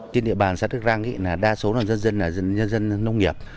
trên địa bàn xã đắk đơ răng đa số là dân dân dân dân nông nghiệp